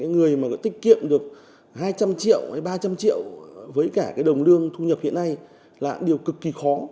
người mà có tích kiệm được hai trăm linh triệu hay ba trăm linh triệu với cả đồng lương thu nhập hiện nay là điều cực kỳ khó